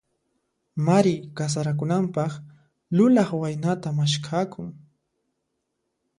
Mari kasarakunanpaq, lulaq waynata maskhakun.